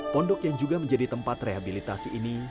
pondok yang juga menjadi tempat rehabilitasi ini